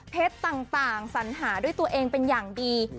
ต่างสัญหาด้วยตัวเองเป็นอย่างดี